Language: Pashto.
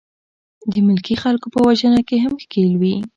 د ملکي خلکو په وژنه کې هم ښکېل وې.